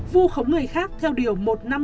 vu khống người khác theo điều một trăm năm mươi